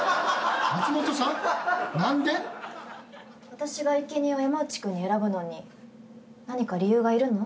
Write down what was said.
私がいけにえを山内君に選ぶのに何か理由がいるの？